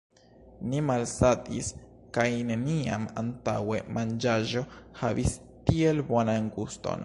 Ni malsatis kaj neniam antaŭe manĝaĵo havis tiel bonan guston.